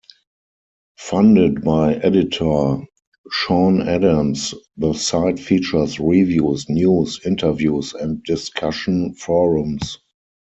Founded by editor Sean Adams, the site features reviews, news, interviews, and discussion forums.